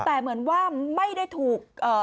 แต่เหมือนว่าไม่ได้ถูกเอ่อ